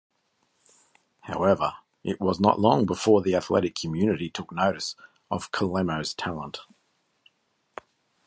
However, it was not long before the athletic community took notice of Chelimo's talent.